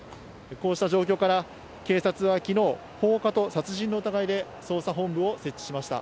こうした状況から、警察はきのう、放火と殺人の疑いで捜査本部を設置しました。